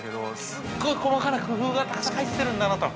すっごい細かい工夫がたくさん入ってるんだなと。